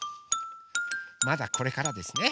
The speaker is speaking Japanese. まだこれからですね。